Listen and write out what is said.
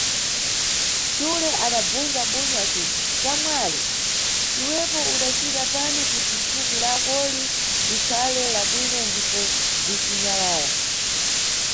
Xule adabzundza bunyu aciti, xamwali iwepo udacita tani kuti thupi lakoli likhale la bwino ndipo lici nyalala?